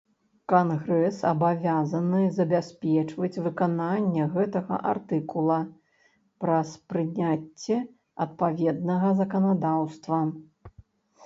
Кангрэс абавязаны забяспечваць выкананне гэтага артыкула праз прыняцце адпаведнага заканадаўства.